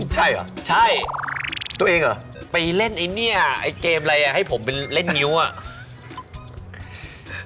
ใช่เหรอใช่ตัวเองเหรอไปเล่นไอ้เนี่ยไอ้เกมอะไรอ่ะให้ผมไปเล่นงิ้วอ่ะ